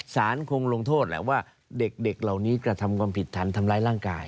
สารคงลงโทษแหละว่าเด็กเหล่านี้กระทำความผิดฐานทำร้ายร่างกาย